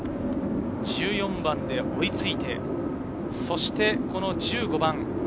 １４番で追いついて、そして１５番。